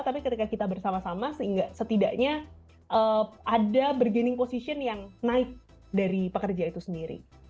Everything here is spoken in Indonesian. tapi ketika kita bersama sama sehingga setidaknya ada bergaining position yang naik dari pekerja itu sendiri